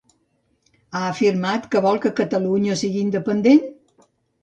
Ha afirmat que vol que Catalunya sigui independent?